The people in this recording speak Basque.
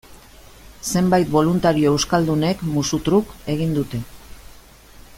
Zenbait boluntario euskaldunek, musu truk, egin dute.